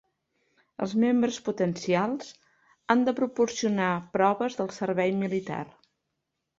Els membres potencials han de proporcionar proves del servei militar.